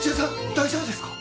大丈夫ですか！？